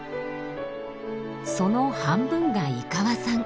その半分が井川産。